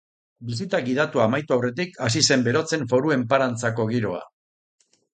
Bisita gidatua amaitu aurretik hasi zen berotzen Foru Enparantzako giroa.